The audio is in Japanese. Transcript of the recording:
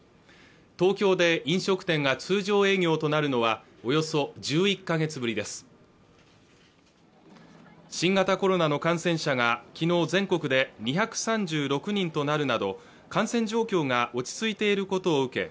東京で飲食店が通常営業となるのはおよそ１１か月ぶりです新型コロナの感染者がきのう全国で２３６人となるなど感染状況が落ち着いていることを受け